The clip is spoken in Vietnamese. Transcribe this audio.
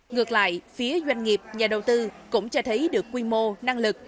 ngược lại phía doanh nghiệp nhà đầu tư cũng cho thấy được quy mô năng lực